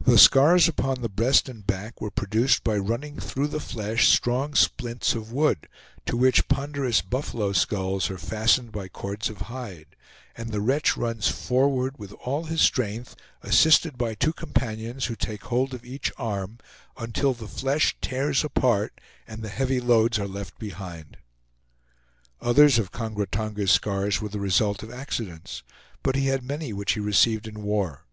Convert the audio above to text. The scars upon the breast and back were produced by running through the flesh strong splints of wood, to which ponderous buffalo skulls are fastened by cords of hide, and the wretch runs forward with all his strength, assisted by two companions, who take hold of each arm, until the flesh tears apart and the heavy loads are left behind. Others of Kongra Tonga's scars were the result of accidents; but he had many which he received in war.